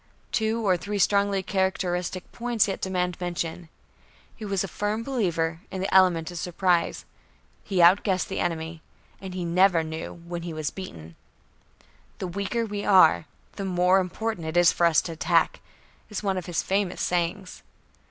Two or three strongly characteristic points yet demand mention. He was a firm believer in the element of surprise; he outguessed the enemy. And he never knew when he was beaten. "The weaker we are, the more important it is for us to attack," is one of his famous sayings.